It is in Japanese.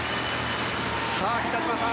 さあ、北島さん